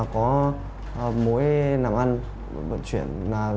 có mối nằm ăn vận chuyển